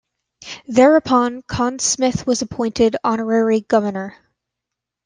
Thereupon, Conn Smythe was appointed honorary governor.